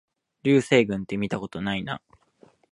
流星群ってみたことないな